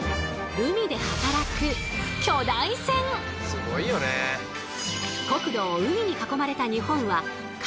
海で働く国土を海に囲まれた日本は海運大国。